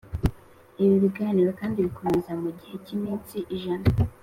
Ibi biganiro kandi bikomeza mu gihe cy’iminsi ijana